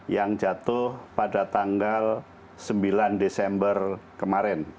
yang jatuh pada tanggal sembilan desember kemarin